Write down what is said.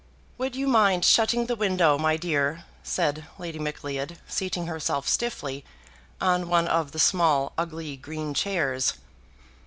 "Would you mind shutting the window, my dear?" said Lady Macleod, seating herself stiffly on one of the small ugly green chairs.